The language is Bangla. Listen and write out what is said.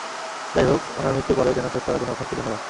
যাইহোক, উনার মৃত্যুর পরেও দেনা শোধ করার জন্য অসংখ্য ধন্যবাদ।